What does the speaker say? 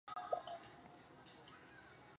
两座配楼与旗杆均与胶海关大楼同期建设。